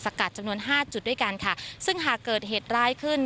กัดจำนวนห้าจุดด้วยกันค่ะซึ่งหากเกิดเหตุร้ายขึ้น